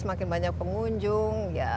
semakin banyak pengunjung